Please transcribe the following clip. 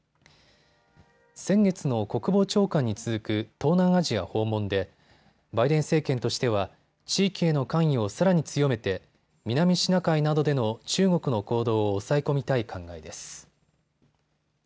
先月の国防長官に続く東南アジア訪問でバイデン政権としては地域への関与をさらに強めて南シナ海などでの中国の行動を抑え込みたい考えです。